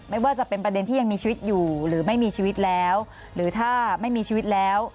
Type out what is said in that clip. ไม่ว่าจะเป็นประเด็นที่ยังมีชีวิตอยู่หรือไม่มีชีวิตแล้ว